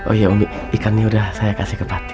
oh iya umi ikan ini udah saya kasih ke fatin